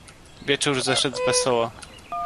"Wieczór zeszedł wesoło."